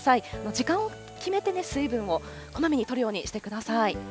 時間を決めて水分をこまめにとるようにしてください。